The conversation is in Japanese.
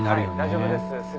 大丈夫です。